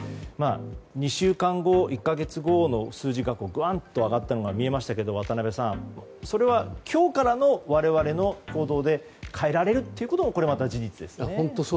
２週間後、１か月後の数字がぐわんと上がったのが見えましたけど渡辺さん、それは今日からの我々の行動で変えられるというのも本当そうですね。